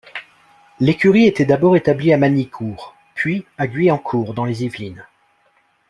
L'écurie était d'abord établie à Magny-Cours, puis à Guyancourt, dans les Yvelines.